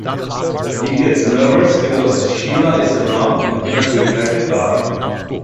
He gets nervous because Sheela is around and cannot repair the car.